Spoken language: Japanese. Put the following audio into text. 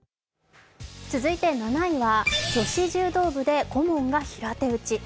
続いて７位は女子柔道部で顧問が平手打ち。